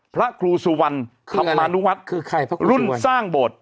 พระครูสุวรรณธรรมนุวัตรรุ่นสร้างโบสถ์